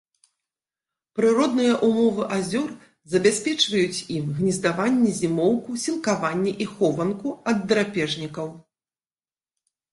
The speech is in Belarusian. Прыродныя ўмовы азёр забяспечваюць ім гнездаванне, зімоўку, сілкаванне і хованку ад драпежнікаў.